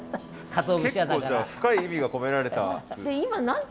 結構じゃあ深い意味が込められた。